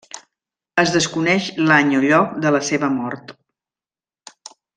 Es desconeix l'any o lloc de la seva mort.